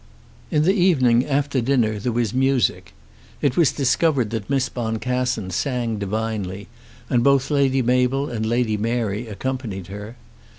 In the evening after dinner there was music. It was discovered that Miss Boncassen sang divinely, and both Lady Mabel and Lady Mary accompanied her.